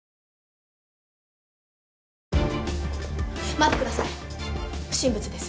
待って下さい不審物です。